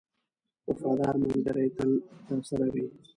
• وفادار ملګری تل تا سره وي.